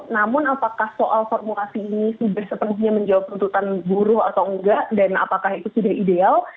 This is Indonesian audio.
namun apakah soal formulasi ini sudah sepenuhnya menjawab tuntutan buruh atau enggak dan apakah itu sudah ideal